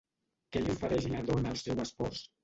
Què li ofereix la dona al seu espòs?